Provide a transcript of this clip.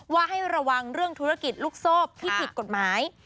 ว่าให้ระวังเรื่องธุรกิจลูกโซ่ที่ผิดกฎหมาย